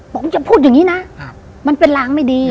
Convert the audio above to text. ผมจะพูดอย่างนี้นะมันเป็นรางไม่ดี